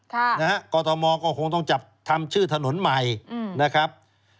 คุณผู้โชชนกฎมก็คงต้องจับทำชื่อถนนใหม่นะครับ